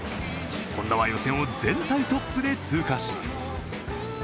本多は予選を全体トップで通過します。